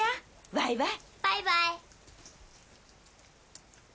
バイバイ。